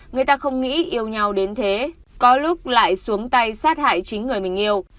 người ta không nghĩ yêu nhau đến thế có lúc lại xuống tay sát hại chính người mình yêu